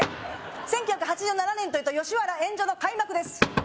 １９８７年というと「吉原炎上」の開幕です